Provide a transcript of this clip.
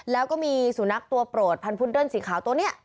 แล้วก็มีสุนัขตัวโปรดพันธุดเดิ้ลสีขาวตัวนี้